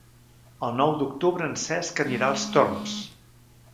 El nou d'octubre en Cesc anirà als Torms.